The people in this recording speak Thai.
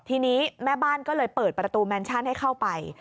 ทีนี้แม่บ้านก็เลยเปิดประตูแมนชั่นให้เข้าไป